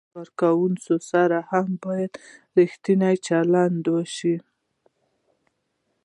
له کارکوونکو سره هم باید ریښتینی چلند وشي.